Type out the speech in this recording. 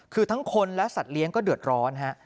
คือทั้งคนและสัตว์เลี้ยงก็เดือดร้อนฮะ